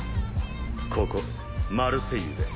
ここマルセイユで。